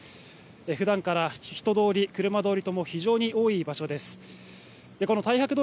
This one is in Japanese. ふだんから人通り、車通りとも非常に多い場所です。